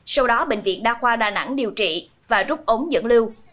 sau đó bệnh viện đa khoa đà nẵng điều trị và rút ống dẫn lưu